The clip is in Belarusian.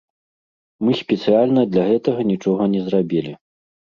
Мы спецыяльна для гэтага нічога не зрабілі.